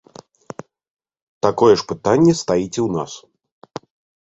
Такое ж пытанне стаіць і ў нас.